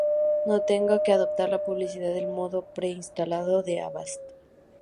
No tenga que adoptar la publicidad del modo o pre-instalado de Avast!